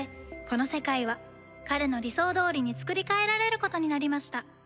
この世界は彼の理想どおりにつくり変えられることになりました